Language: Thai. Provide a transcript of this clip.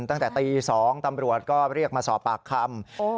ตั้งแต่ตี๒ตำรวจก็เรียกมาสอบปากคำ